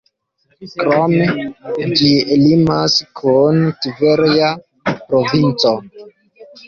Krome, ĝi limas kun Tverja provinco.